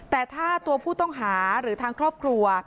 แต่ถ้าตัวผู้ต้องหาหรือทางครอบครัว